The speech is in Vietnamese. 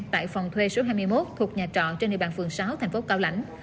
tại phòng thuê số hai mươi một thuộc thành phố cao lãnh